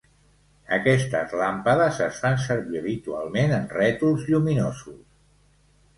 Aquestes làmpades es fan servir habitualment en rètols lluminosos.